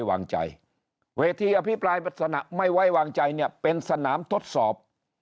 วางใจเวทีอภิปรายลักษณะไม่ไว้วางใจเนี่ยเป็นสนามทดสอบ